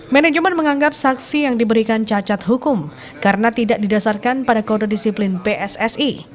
manajemen menganggap saksi yang diberikan cacat hukum karena tidak didasarkan pada kode disiplin pssi